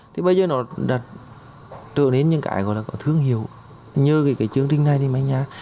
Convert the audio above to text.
thì bây giờ nó trở nên những cái gọi là thương hiệu như cái chương trình này thì mấy nhà